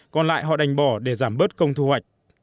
còn lại họ đành bỏ để giảm bớt công thu hoạch